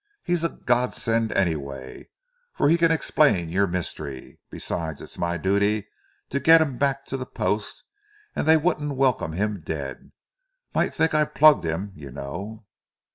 He's a godsend anyway, for he can explain your mystery. Besides it's my duty to get him back to the Post, and they wouldn't welcome him dead. Might think I'd plugged him, you know."